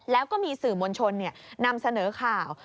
แล้วก็มีสื่อมวลชนนำเสนอข่าว